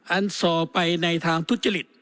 อันสอไปในทางทุกข์เยี่ยมนะครับ